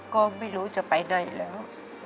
ก็ไม่รู้จะไปไหนแล้ว